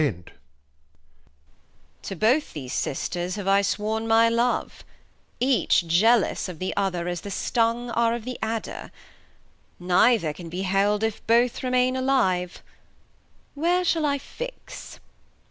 To both these Sisters have I sworn my Love, Each jealous of the other, as the Stung Are of the Adder ; neither can be held If both remain alive ; where shall I fix